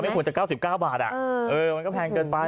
ไม่คุณจะ๙๙บาทอะมันก็แพงเกินไป